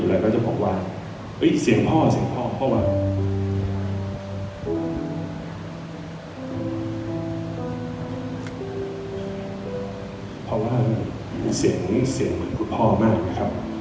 เสียงพ่อเพราะว่าเสียงเหมือนพูดพ่อมากนะครับ